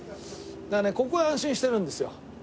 だからねここは安心してるんですよ。